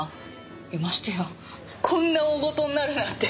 ましてやこんな大事になるなんて。